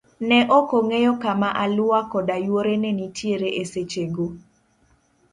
Ne okong'eyo kama Alua koda yuore ne nitiere e seche go.